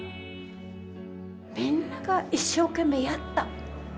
みんなが一生懸命やった。